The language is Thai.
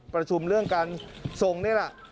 ประชุมเรื่องการทรงนี่แหละ